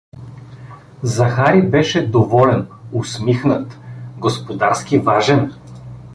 Захари беше доволен, усмихнат, господарски важен.